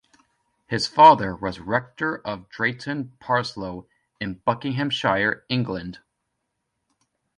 His father was Rector of Drayton Parslow in Buckinghamshire, England.